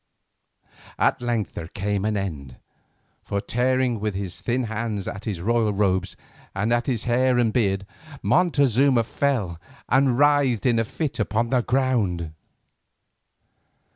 At length there came an end, for tearing with his thin hands at his royal robes and at his hair and beard, Montezuma fell and writhed in a fit upon the ground.